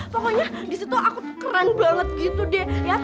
pokoknya disitu aku keren banget gitu deh